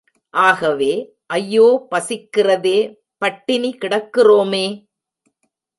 ஆகவே, ஐயோ பசிக்கிறதே பட்டினி கிடக்கிறோமே!